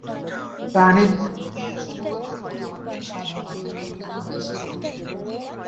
প্রাণীদের বংশাণুগত পরিবর্তন সাধন অপেক্ষাকৃত বেশি কঠিন।